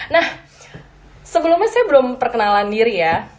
nah sebelumnya saya belum perkenalan diri ya